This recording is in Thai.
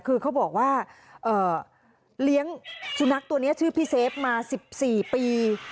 คือเขาบอกว่าเลี้ยงสุนัขตัวนี้ชื่อพี่เซฟมา๑๔ปี